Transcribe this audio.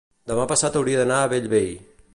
demà passat hauria d'anar a Bellvei.